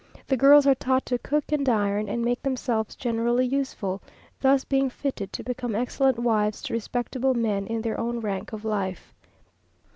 The girls are taught to cook and iron, and make themselves generally useful, thus being fitted to become excellent wives to respectable men in their own rank of life.